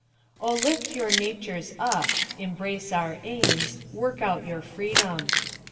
O lift your natures up: Embrace our aims: work out your freedom.